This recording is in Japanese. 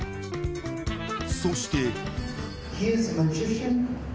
そして。